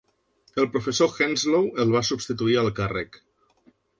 El professor Henslow el va substituir al càrrec.